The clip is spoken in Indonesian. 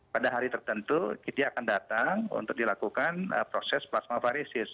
pada hari tertentu kita akan datang untuk dilakukan proses plasma farises